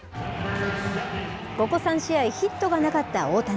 ここ３試合、ヒットがなかった大谷。